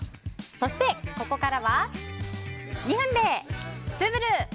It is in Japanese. そしてここからは２分でツウぶる！